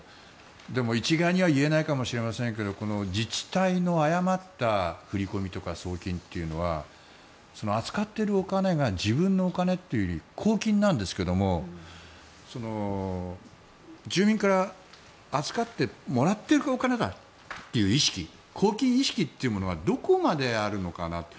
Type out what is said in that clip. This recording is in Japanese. でも一概には言えないかもしれませんがこの自治体の誤った振り込みとか送金というのは扱っているお金が自分のお金というより公金なんですけど住民から預かってもらっているお金だという意識公金意識というのはどこまであるのかなと。